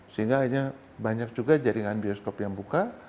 sehingga akhirnya banyak juga jaringan bioskop yang buka